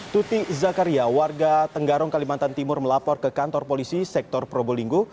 tuti zakaria warga tenggarong kalimantan timur melapor ke kantor polisi sektor probolinggo